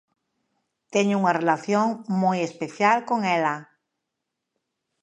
Teño unha relación moi especial con ela.